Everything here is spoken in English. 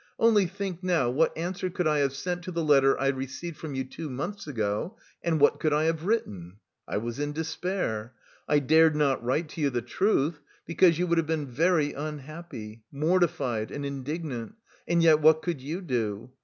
Only think now what answer could I have sent to the letter I received from you two months ago and what could I have written? I was in despair; I dared not write to you the truth because you would have been very unhappy, mortified and indignant, and yet what could you do?